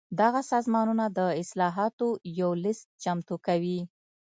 دغه سازمانونه د اصلاحاتو یو لېست چمتو کوي.